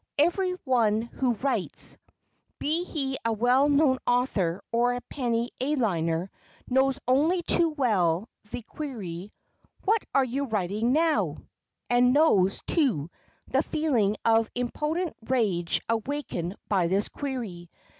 Every one who writes—be he a well known author or a penny a liner—knows only too well the query, "What are you writing now?" and knows, too, the feeling of impotent rage awakened by this query.